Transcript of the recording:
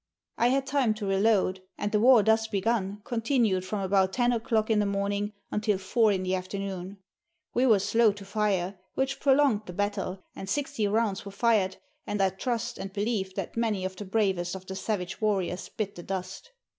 I had time to reload, and the war thus begun continued from about ten o'clock in the morning until four in the afternoon. We were slow to fire, which prolonged the battle, and 60 rounds were fired, and I trust and believe that many of the bravest of the savage warriors bit the dust.